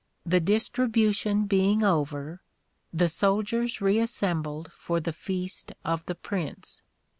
The distribution being over, the soldiers reassem bled for the feast of the prince.